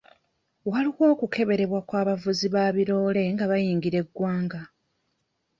Waliwo okukeberebwa kw'abavuzi ba biroole nga bayingira eggwanga.